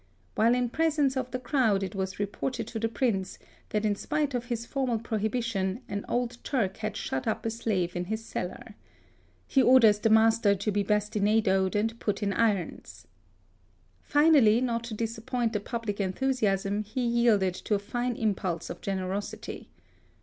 While in pre sence of the crowd it was reported to the THE SUEZ CANAL. 39 Prince that in spite of his fonnal prohibition an old Turk had shut up a slave in his cellar. He orders the master to be bastina doed and put in irons. Finally, not to dis appoint the public enthusiasm, he yielded to a fine impulse of generosity.